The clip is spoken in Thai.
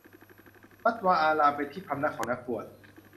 วัดวาอาราม เป็นที่พำนักของนักบวช